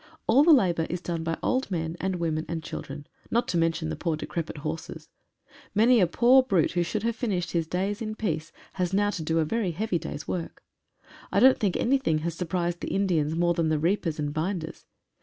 All the labour is done by old men and women and children, not to mention the poor decrepit horses. Many 108 EAST MEETING WEST. a poor brute who should have finished his days in peace has now to do a very heavy day's work. I don't think anything has surprised the Indians more than the reapers and binders.